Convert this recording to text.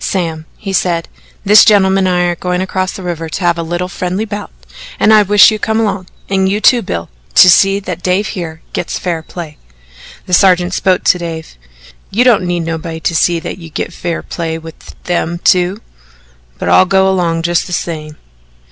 "Sam," he said "this gentleman and I are going across the river to have a little friendly bout, and I wish you'd come along and you, too, Bill, to see that Dave here gets fair play." The sergeant spoke to Dave. "You don't need nobody to see that you git fair play with them two but I'll go 'long just the same."